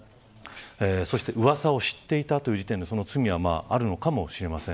そしてうわさを知っていたという時点でその罪はあるのかもしれません。